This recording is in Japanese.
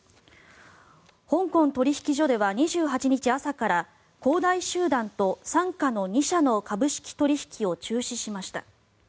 香港取引所では２８日朝から恒大集団と傘下の２社の株式取引を中止しました。